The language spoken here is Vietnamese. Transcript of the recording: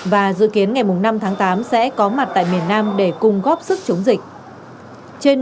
và dự kiến ngày năm tháng tám sẽ có mặt tại miền nam để cùng góp sức chống dịch